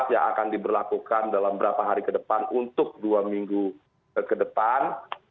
yang akan diberlakukan dalam beberapa hari ke depan untuk dua minggu ke depan